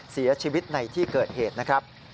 เสียชีวิตในที่เกิดเหตุนะครับ